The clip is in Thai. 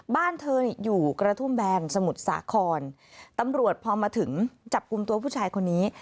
บ้านเธอนี่อยู่กระทุ่มแบนสมุทรสาครตำรวจพอมาถึงจับกลุ่มตัวผู้ชายคนนี้